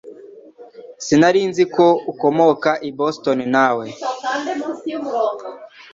Sinari nzi ko ukomoka i Boston nawe